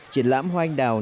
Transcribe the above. triển lãm hoa anh đào